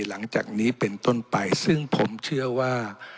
หลังจากนี้เป็นต้นไปซึ่งผมเชื่อว่า